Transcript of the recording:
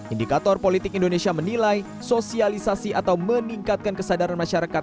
indikator politik indonesia menilai sosialisasi atau meningkatkan kesadaran masyarakat